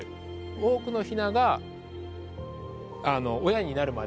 多くのヒナが親になるまで育った。